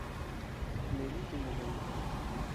Meditu momenton.